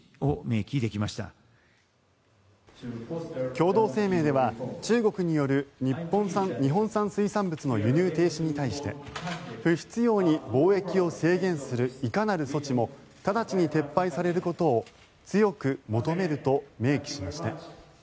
共同声明では、中国による日本産水産物の輸入停止に対して不必要に貿易を制限するいかなる措置も直ちに撤廃されることを強く求めると明記しました。